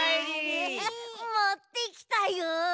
もってきたよ！